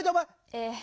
え